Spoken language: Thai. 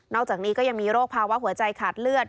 อกจากนี้ก็ยังมีโรคภาวะหัวใจขาดเลือด